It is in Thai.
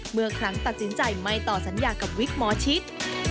เมื่อครั้งตัดสินใจไม่ต่อสัญญากับวิกหมอชิด